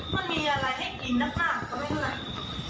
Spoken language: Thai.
มันมีอะไรให้กลิ่นน่ะส้ามก็ไม่เหมือนอะไร